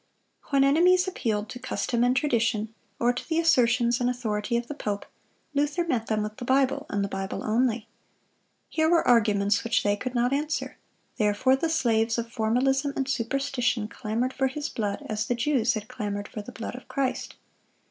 When enemies appealed to custom and tradition, or to the assertions and authority of the pope, Luther met them with the Bible, and the Bible only. Here were arguments which they could not answer; therefore the slaves of formalism and superstition clamored for his blood, as the Jews had clamored for the blood of Christ.